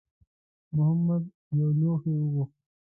محمد یو لوښی وغوښت.